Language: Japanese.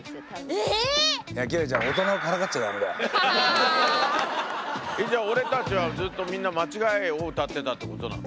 えっじゃあ俺たちはずっとみんな間違いを歌ってたってことなの？